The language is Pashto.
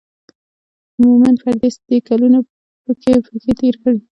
مومن پردېس دی کلونه به پکې تېر کړي.